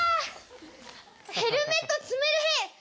ヘルメット詰める屁。